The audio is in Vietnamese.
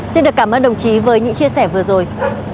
xin được cảm ơn đồng chí với những chia sẻ vừa rồi